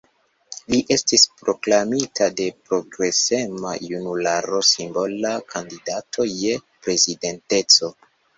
Li estis proklamita de progresema junularo simbola kandidato je Prezidanteco.